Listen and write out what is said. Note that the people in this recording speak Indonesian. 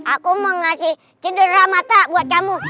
aku mau ngasih cindera mata buat kamu